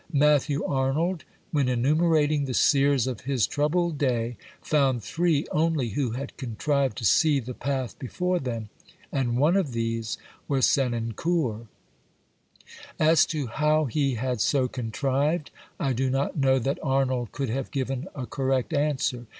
Matthew Arnold, when enumerating the seers of his "troubled day," found three only who had contrived to see the path before them, and one of these was Senan xxvlii BIOGRAPHICAL AND cour. As to how he had so contrived, I do not know that Arnold could have given a correct answer.